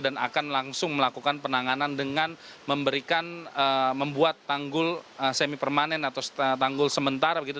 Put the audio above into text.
dan akan langsung melakukan penanganan dengan memberikan membuat tanggul semi permanen atau tanggul sementara begitu